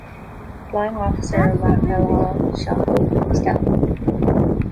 Flying Officer McElhaw shot both of these down.